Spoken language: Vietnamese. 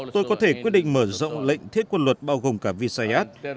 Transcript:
tổng thống rodrigo duterte cho biết phiến quân hồi giáo đã chặt đầu một cảnh sát trường địa phương ở